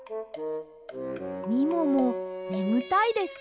みももねむたいですか？